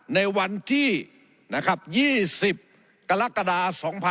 ในวันที่๒๐กรกฎา๒๕๖๒